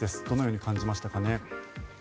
どのように感じましたか？